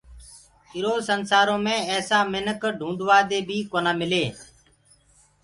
ايٚرو سنسآرو مي ايسآ مِنک ڍوٚنٚڊوادي بيٚ ڪونآ ملي۔